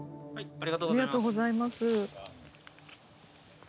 ありがとうございます。